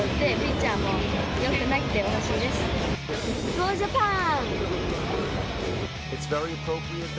ゴージャパン。